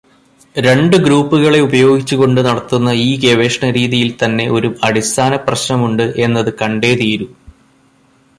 രണ്ടു ഗ്രൂപ്പുകളെ ഉപയോഗിച്ചുകൊണ്ട് നടത്തുന്ന ഈ ഗവേഷണരീതിയിൽത്തന്നെ ഒരു അടിസ്ഥാനപ്രശ്നമുണ്ട് എന്നത് കണ്ടേ തീരൂ.